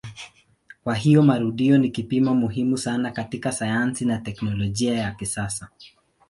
Kwa hiyo marudio ni kipimo muhimu sana katika sayansi na teknolojia ya kisasa.